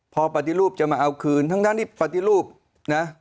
พอปฏิรูปจะมาเอาคืนทั้งที่ปฏิรูปนะ